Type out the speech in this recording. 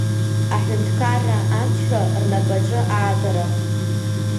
Аҳәынҭқарра амчра рнапаҿы аагара.